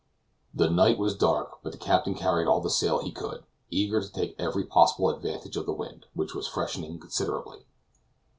The night was dark, but the captain carried all the sail he could, eager to take every possible advantage of the wind, which was freshening considerably.